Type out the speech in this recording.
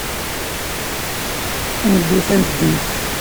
Ad neddu tameddit.